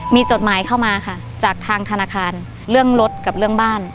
มีจดหมายเข้ามาค่ะจากทางธนาคารเรื่องรถกับเรื่องบ้าน